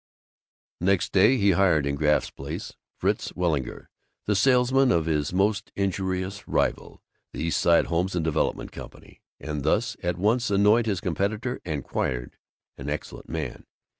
Next day he hired in Graff's place Fritz Weilinger, the salesman of his most injurious rival, the East Side Homes and Development Company, and thus at once annoyed his competitor and acquired an excellent man.